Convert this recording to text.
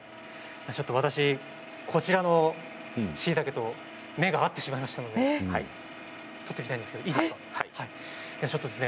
ちょっと私こちらのしいたけと目が合ってしまいましたので採っていきたいんですけどいいですか？